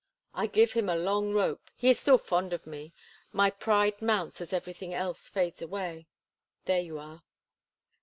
I give him a long rope; he is still fond of me; my pride mounts as everything else fades away. There you are!"